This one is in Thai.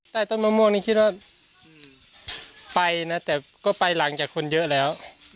ใต้ต้นมะม่วงนี่คิดว่าไปนะแต่ก็ไปหลังจากคนเยอะแล้ว